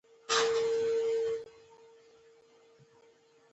غوږونه د خوښیو یادونه لري